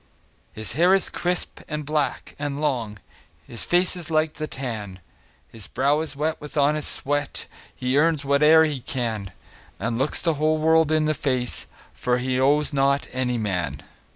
His hair is crisp, and black, and long, His face is like the tan; His brow is wet with honest sweat, He earns whate'er he can, And looks the whole world in the face, For he owes not any man.